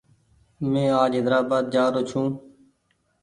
مينٚ آج حيدرآبآد جآرو ڇوٚنٚ